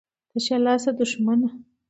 ـ تشه لاسه دښمنه.